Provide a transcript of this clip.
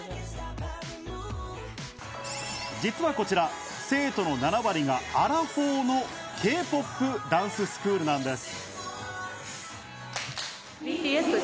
実はこちら、生徒の７割がアラフォーのＫ−ＰＯＰダンススクールなんです。